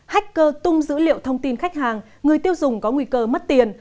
hách cơ tung dữ liệu thông tin khách hàng người tiêu dùng có nguy cơ mất tiền